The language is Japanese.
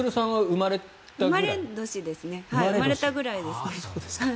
生まれたくらいですね。